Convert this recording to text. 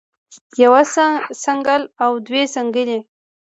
يوه څنګل او دوه څنګلې